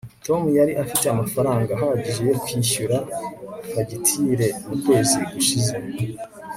tom yari afite amafaranga ahagije yo kwishyura fagitire mu kwezi gushize